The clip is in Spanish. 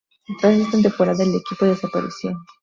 Tras esa temporada, el equipo desapareció.